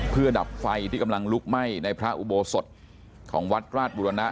เพื่อดับไฟที่กำลังลุกไหม้ในพระอุโบสถของวัดราชบุรณะ